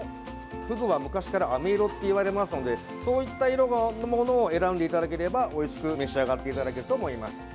フグは昔からあめ色って言われますのでそういった色のものを選んでいただければおいしく召し上がっていただけると思います。